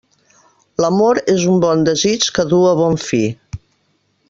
L'amor és un bon desig que du a bon fi.